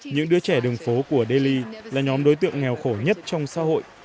những đứa trẻ đường phố của delhi là nhóm đối tượng nghèo khổ nhất trong xã hội